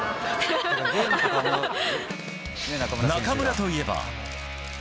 中村といえば。